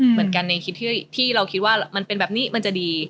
เหมือนกันในคิดที่เราคิดว่ามันเป็นแบบนี้มันจะดี